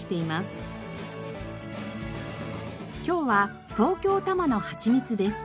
今日は東京多摩のはちみつです。